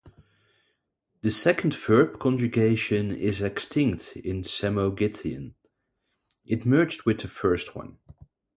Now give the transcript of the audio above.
The second verb conjugation is extinct in Samogitian, it merged with the first one.